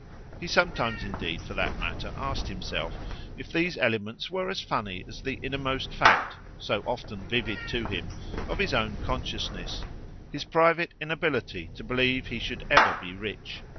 He sometimes indeed, for that matter, asked himself if these elements were as funny as the innermost fact, so often vivid to him, of his own consciousness his private inability to believe he should ever be rich.